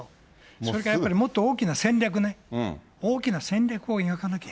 やっぱりもっと大きな戦略ね、大きな戦略を描かなきゃ。